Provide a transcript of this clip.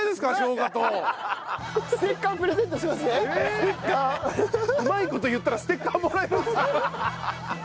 うまい事言ったらステッカーもらえるんですか？